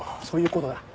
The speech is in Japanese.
そういうことだ。